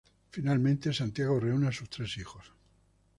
Finalmente Santiago reúne a sus tres hijos.